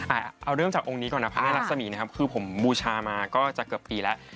แต่เอาเริ่มจากองค์นี้ก่อนนะพระแม่รักษมีนะครับคือผมบูชามาก็จะเกือบปีแล้ว